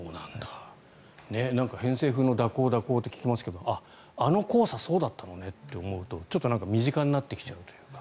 偏西風の蛇行、蛇行と聞きますけどあの黄砂そうだったのねと思うとちょっと身近になってきちゃうというか。